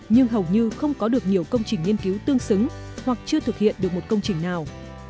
nhưng hầu như không có được nhiều công trình nghiên cứu tương xứng hoặc chưa thực hiện được một công trình nào